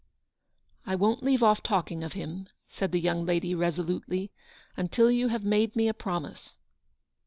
" I won't leave off talking of him/' said the young lady, resolutely, " until you have made me a promise."